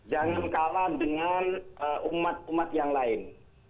jangan kalah dengan umat umat yang lain